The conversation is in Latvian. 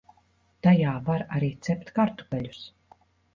Tajā var arī cept kartupeļus.